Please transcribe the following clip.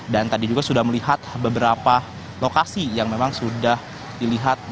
dan tadi juga sudah melihat beberapa lokasi yang memang sudah dilihat